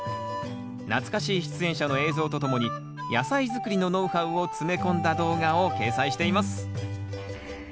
懐かしい出演者の映像とともに野菜作りのノウハウを詰め込んだ動画を掲載しています。